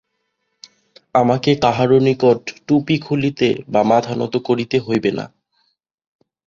আমাকে কাহারও নিকট টুপি খুলিতে বা মাথা নত করিতে হইবে না।